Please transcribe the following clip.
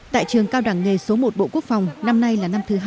tại trường cao đẳng nghề số một bộ quốc phòng năm nay là năm thứ hai